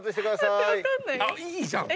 いいじゃん！